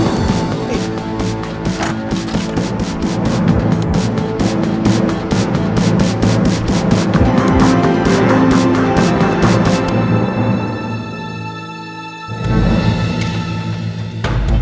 aku mau pergi ke rumah